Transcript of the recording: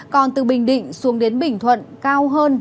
còn từ bình định xuống đến bình thuận cao hơn